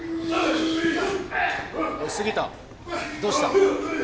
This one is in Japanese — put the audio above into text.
・おい杉田どうした？